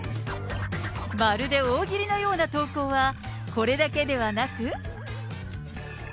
まるで大喜利のような投稿は、これだけではなく。